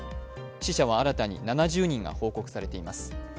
死者は新たに７０人が報告されています。